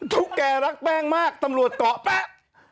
ุ๊กแกรักแป้งมากตำรวจเกาะแป๊ะ